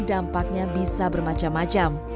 dampaknya bisa bermacam macam